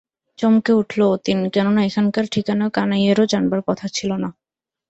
চমকে উঠল অতীন, কেননা এখানকার ঠিকানা কানাইয়েরও জানবার কথা ছিল না।